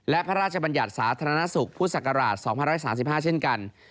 และพระราชบัญญาณสาธารณสุขพศ๒๕๓๕เช่นกัน